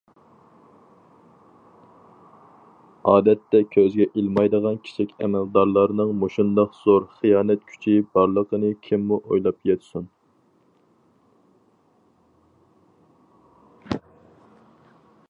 ئادەتتە كۆزگە ئىلمايدىغان كىچىك ئەمەلدارلارنىڭ مۇشۇنداق زور« خىيانەت كۈچى» بارلىقىنى كىممۇ ئويلاپ يەتسۇن.